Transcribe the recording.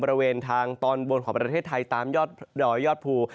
บริเวณทางตอนบนของประเทศไทยตามยอดดอยยอดภู